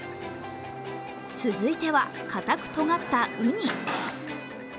続いては、かたくとがった、うに。